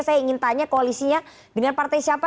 saya ingin tanya koalisinya dengan partai siapa